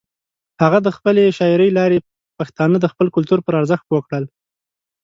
هغه د خپلې شاعرۍ له لارې پښتانه د خپل کلتور پر ارزښت پوه کړل.